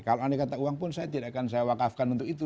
kalau andai kata uang pun saya tidak akan saya wakafkan untuk itu